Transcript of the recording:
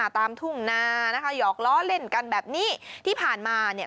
ตามทุ่งนานะคะหยอกล้อเล่นกันแบบนี้ที่ผ่านมาเนี่ย